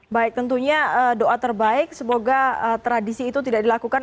baik tentunya doa terbaik semoga tradisi itu tidak dilakukan